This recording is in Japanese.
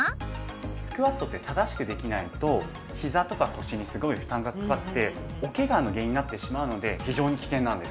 スクワットって正しくできないとひざとか腰にすごい負担がかかっておケガの原因になってしまうので非常に危険なんです。